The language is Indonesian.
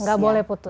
nggak boleh putus